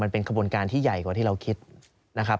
เป็นขบวนการที่ใหญ่กว่าที่เราคิดนะครับ